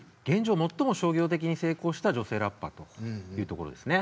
最も商業的に成功した女性ラッパーというところですね。